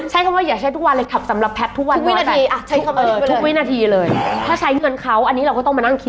พี่ใช้ดูแบบยังไง